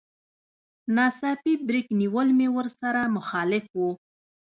ناڅاپي بريک نيول مې ورسره مخالف و.